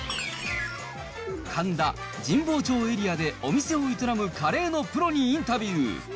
神田、神保町エリアでお店を営むカレーのプロにインタビュー。